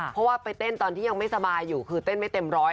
เพราะว่าไปเต้นตอนที่ยังไม่สบายอยู่คือเต้นไม่เต็มร้อย